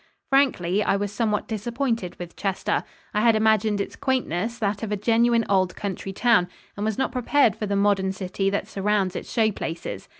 Frankly, I was somewhat disappointed with Chester. I had imagined its quaintness that of a genuine old country town and was not prepared for the modern city that surrounds its show places.